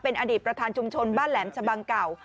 อดีตประธานชุมชนบ้านแหลมชะบังเก่า